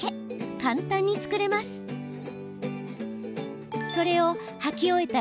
簡単に作れます。